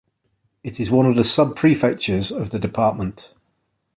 It is one of the sub-prefectures of the department.